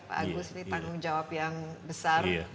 pak agus ini tanggung jawab yang besar